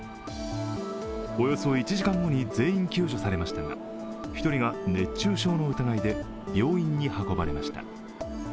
およそ１時間後に全員救助されましたが、１人が熱中症の疑いで病院に運ばれました。